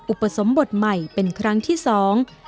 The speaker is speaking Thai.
อุปสมบทใหม่เป็นครั้งที่สอง